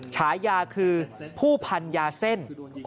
ฉายาคือผู้พันยาเส้น